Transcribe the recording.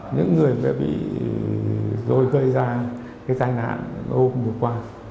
những người bị rối gây ra cái tai nạn hôm vừa qua